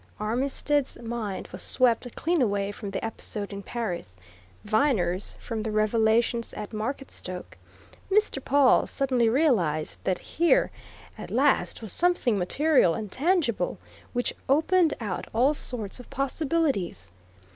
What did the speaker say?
Armitstead's mind was swept clean away from the episode in Paris, Viner's from the revelations at Marketstoke, Mr. Pawle suddenly realized that here, at last, was something material and tangible which opened out all sorts of possibilities.